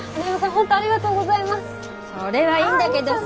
本当ありがとうございます。